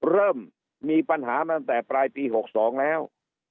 เริ่มมีปัญหามาตั้งแต่ปลายปี๖๒แล้ว